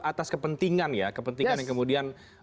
atas kepentingan ya kepentingan yang kemudian